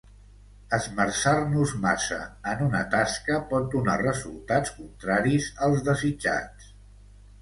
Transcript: Esmerçar-nos massa en una tasca pot donar resultats contraris als desitjats.